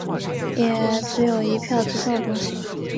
也只有一票直销的东西